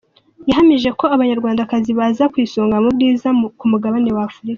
Yahamije ko Abanyarwandakazi baza ku isonga mu bwiza ku Mugabane wa Afurika.